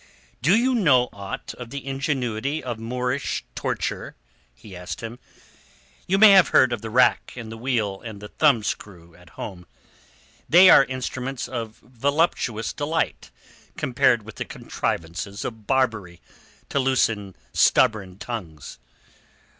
"Do you know aught of the ingenuity of Moorish torture?" he asked him. "You may have heard of the rack and the wheel and the thumbscrew at home. They are instruments of voluptuous delight compared with the contrivances of Barbary to loosen stubborn tongues."